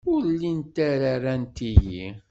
Ur llint ara rant-iyi.